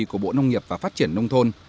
của bộ nông nghiệp và phát triển nông thôn